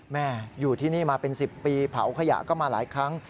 แม่อยู่ที่นี่มาเป็น๑๐ปีเผาขยะก็มาหลายครั้ง